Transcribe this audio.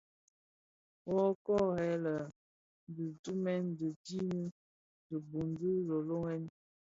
Köö worrè lè, di bubmèn din didhi idun ki lölölen.